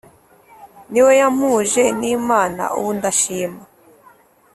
Niwe yampuje n'Imana ubu ndashima